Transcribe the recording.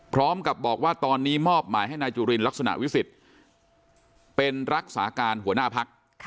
พร้อมกับบอกว่าตอนนี้มอบหมายให้นายจุลินลักษณะวิสิทธิ์เป็นรักษาการหัวหน้าพัก